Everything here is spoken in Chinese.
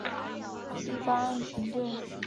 第八岸巡队